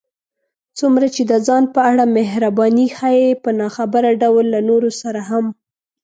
څومره چې د ځان په اړه محرباني ښيې، په ناخبره ډول له نورو سره هم